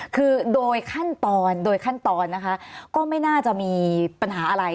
คือโดยขั้นตอนโดยขั้นตอนนะคะก็ไม่น่าจะมีปัญหาอะไร